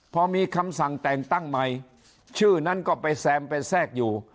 พอมีคำสั่งแต่งตั้งใหม่ชื่อนั้นก็ไปแซมไปแทรกอยู่